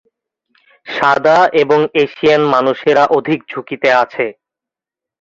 সাদা এবং এশিয়ান মানুষেরা অধিক ঝুঁকিতে আছে।